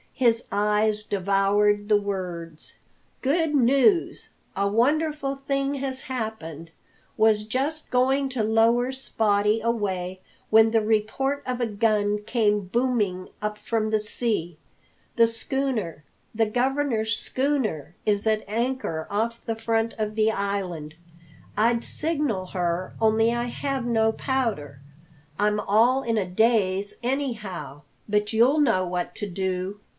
His eyes devoured the words: "Good news! A wonderful thing has happened. Was just going to lower Spottie away when the report of a gun came booming up from the sea. The schooner the governor's schooner is at anchor off the front of the island! I'd signal her, only I have no powder. I'm all in a daze, anyhow; but you'll know what to do."